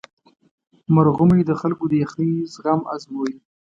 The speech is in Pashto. مرغومی د خلکو د یخنۍ زغم ازمويي.